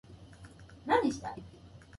大量の文章の提出